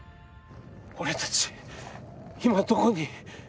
俺たち今どこに？